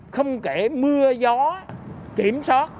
không kể mưa gió kiểm soát